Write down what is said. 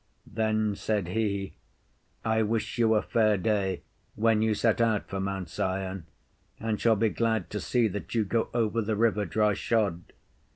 Then said he, I wish you a fair day when you set out for Mount Sion, and shall be glad to see that you go over the river dry shod.